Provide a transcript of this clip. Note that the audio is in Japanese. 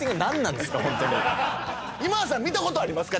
今田さん見たことありますか？